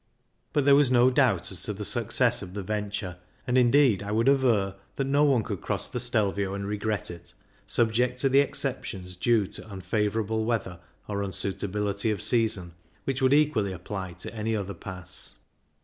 But there was no doubt as to the success of the venture, and, indeed, I would aver that no one could cross the Stelvio and regret it, subject to the exceptions due to unfavour able weather or unsuitability of season, which would equally apply to any other pass.